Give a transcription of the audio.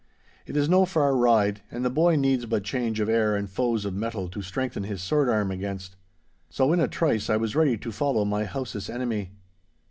'It is no far ride, and the boy needs but change of air and foes of mettle to strengthen his sword arm against.' So in a trice I was ready to follow my house's enemy.